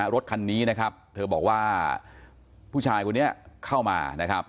รถคันนี้นะครับเธอบอกว่าผู้ชายคนนี้เข้ามานะครับ